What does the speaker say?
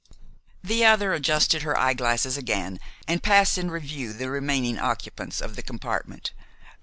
The other adjusted her eyeglasses again, and passed in review the remaining occupants of the compartment.